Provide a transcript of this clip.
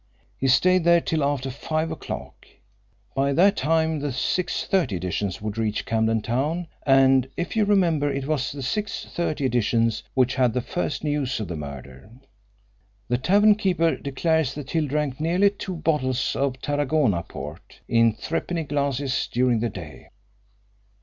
He stayed there till after five o'clock. By that time the 6.30 editions would reach Camden Town, and if you remember it was the six thirty editions which had the first news of the murder. The tavern keeper declares that Hill drank nearly two bottles of Tarragona port, in threepenny glasses, during the day."